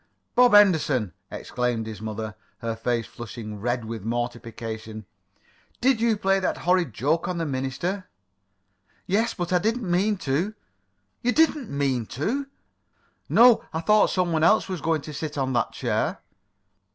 "Bob Henderson!" exclaimed his mother, her face flushing red with mortification. "Did you play that horrid joke on the minister?" "Yes, but I didn't mean to." "You didn't mean to?" "No. I thought some one else was going to sit on that chair."